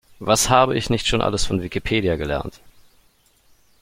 Was habe ich nicht schon alles von Wikipedia gelernt!